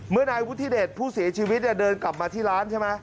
นายวุฒิเดชผู้เสียชีวิตเดินกลับมาที่ร้านใช่ไหม